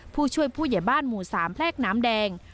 ผู้ช่วยผู้ใหญ่บ้านหมู่๓แพรกน้ำแดง